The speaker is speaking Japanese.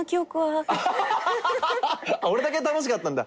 あっ俺だけ楽しかったんだ。